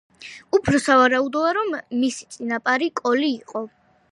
უფრო სავარაუდოა, რომ მისი წინაპარი კოლი იყო.